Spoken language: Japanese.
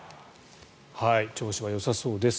調子はよさそうです。